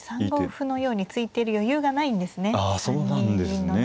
３五歩のように突いてる余裕がないんですね。